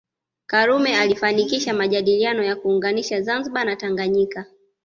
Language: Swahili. Karume alifanikisha majadiliano ya kuunganisha Zanzibar na Tanganyika